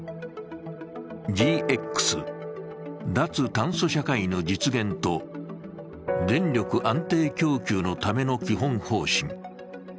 ＧＸ＝脱炭素社会の実現と電力安定供給のための基本方針。